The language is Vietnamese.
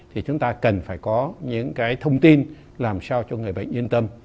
thì chúng ta cần phải có những cái thông tin làm sao cho người bệnh yên tâm